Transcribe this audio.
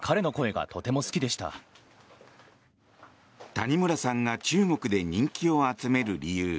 谷村さんが中国で人気を集める理由。